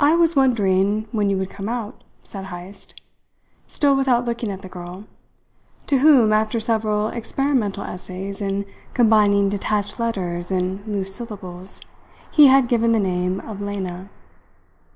"I was wondering when you would come out," said Heyst, still without looking at the girl to whom, after several experimental essays in combining detached letters and loose syllables, he had given the name of Lena.